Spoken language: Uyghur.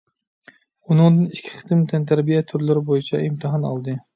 ئۇنىڭدىن ئىككى قېتىم تەنتەربىيە تۈرلىرى بويىچە ئىمتىھان ئالدى.